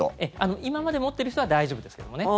今まで持ってる人は大丈夫ですけどもね。